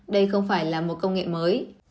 đây không phải là một công nghệ mới